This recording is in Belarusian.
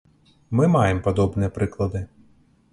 Мы маем падобныя прыклады.